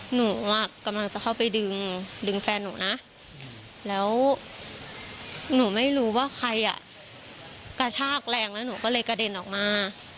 หนูกำลังจะเข้าไปดึงดึงแฟนหนูนะแล้วหนูไม่รู้ว่าใครอ่ะกระชากแรงแล้วหนูก็เลยกระเด็นออกมา